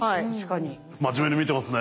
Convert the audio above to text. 真面目に見てますね。